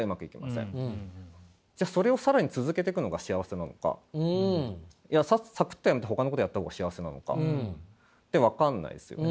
じゃあそれを更に続けてくのが幸せなのかいやサクッと辞めてほかのことやった方が幸せなのか。って分かんないですよね。